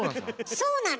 そうなの？